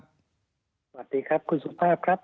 สวัสดีครับคุณสุภาพครับ